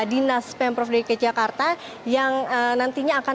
dinas pprdk jakarta yang nantinya akan